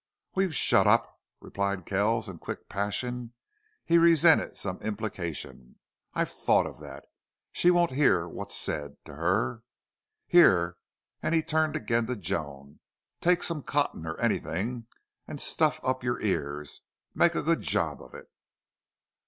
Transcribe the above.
"Will you shut up!" replied Kells in quick passion. He resented some implication. "I've thought of that. She won't hear what's said to her.... Here," and he turned again to Joan, "take some cotton or anything and stuff up your ears. Make a good job of it."